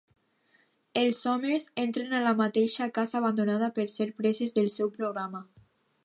Els homes entren a la mateixa casa abandonada per ser preses del seu programa.